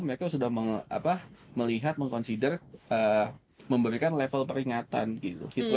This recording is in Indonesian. mereka sudah melihat meng consider memberikan level peringatan gitu